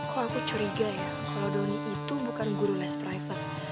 kok aku curiga ya kalo donny itu bukan guru les private